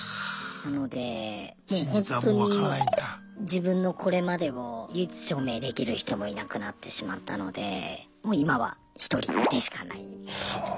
なのでもうほんとに自分のこれまでを唯一証明できる人もいなくなってしまったのでもう今は１人でしかない。